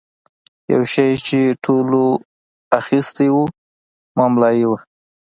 یو شی چې ټولو اخیستی و مملايي وه.